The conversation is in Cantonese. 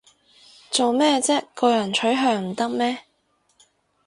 做咩唧個人取向唔得咩